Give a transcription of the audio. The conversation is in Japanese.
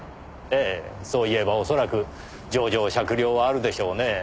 ええそう言えば恐らく情状酌量はあるでしょうねぇ。